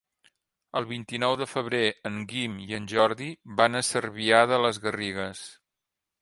El vint-i-nou de febrer en Guim i en Jordi van a Cervià de les Garrigues.